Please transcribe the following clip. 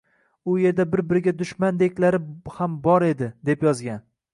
u yerda bir-biriga dushmandeklari ham bor edi, deb yozgan.